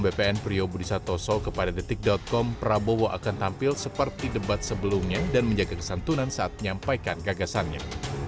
bpn prio budi satoso kepada detik com prabowo akan tampil seperti debat sebelumnya dan menjaga kesantunan saat menyampaikan gagasannya